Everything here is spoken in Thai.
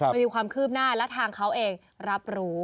มันมีความคืบหน้าและทางเขาเองรับรู้